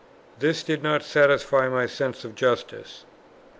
This did not satisfy my sense of justice.